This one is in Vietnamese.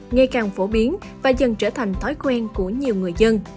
ngày càng phổ biến và dần trở thành thói quen của nhiều người dân